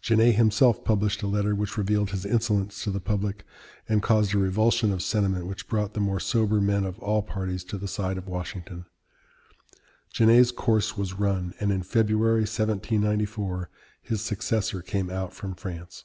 Genet himself published a letter which revealed his insolence to the public, and caused a revulsion of sentiment which brought the more sober men of all parties to the side of Washington. Genet's course was run, and in February, 1794, his successor came out from France.